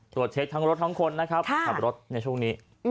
ตรวจเช็คทั้งรถทั้งคนนะครับขับรถในช่วงนี้